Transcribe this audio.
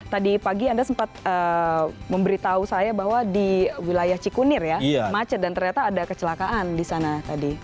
tadi pagi anda sempat memberitahu saya bahwa di wilayah cikunir ya macet dan ternyata ada kecelakaan di sana tadi